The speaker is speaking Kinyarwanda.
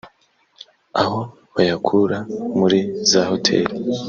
aho bayakura muri za hotel